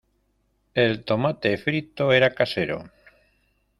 El tomate frito era casero.